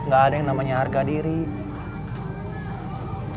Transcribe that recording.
gak ada yang namanya arkadius